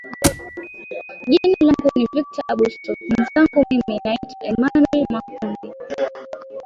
jina langu ni victor abuso mwezangu mimi naitwa emanuel makundi